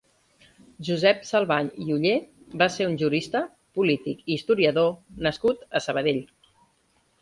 Josep Salvany i Oller va ser un jurista, polític i historiador nascut a Sabadell.